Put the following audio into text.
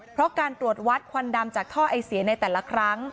เพราะการตรวจวัดควันดำจากท่อไอเสียในแต่ละครั้ง